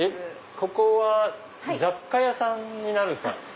ここは雑貨屋さんになるんですか？